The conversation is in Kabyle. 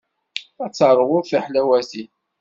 Ad teṛwuḍ tiḥlawatin.